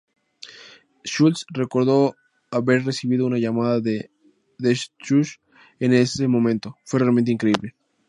Schultz recordó haber recibido una llamada de Deutsch en ese momento: "Fue realmente increíble.